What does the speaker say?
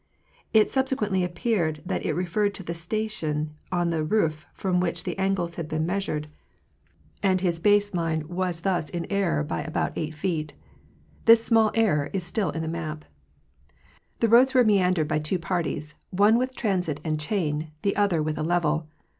It subsequently appeared that it referred to the station on the roof from which angles had been measured, and his base line The Confiscation of Boschke's Map. 157 was thus in error by about eight feet. This small error is still in the map. The roads were meandered by two parties, one with transit and chain, the other with a level.